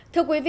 thưa quý vị